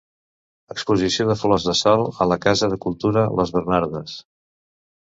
Exposició de Flors de Salt a la Casa de Cultura Les Bernardes.